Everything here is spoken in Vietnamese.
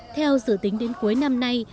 theo dự tính đến cuối năm nay